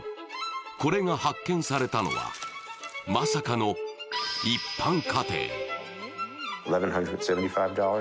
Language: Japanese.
これが発見されたのは、まさかの一般家庭。